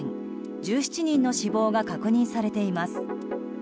１７人の死亡が確認されています。